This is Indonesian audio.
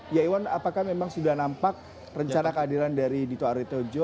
ya iwan apakah memang sudah nampak rencana kehadiran dari dito aryo tejo